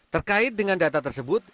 terkait dengan data tersebut